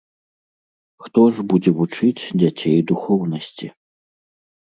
Хто ж будзе вучыць дзяцей духоўнасці?